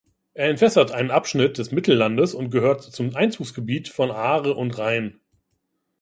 Er entwässert einen Abschnitt des Mittellandes und gehört zum Einzugsgebiet von Aare und Rhein.